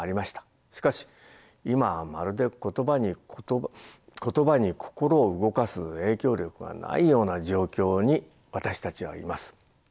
しかし今はまるで言葉に心を動かす影響力がないような状況に私たちはいます。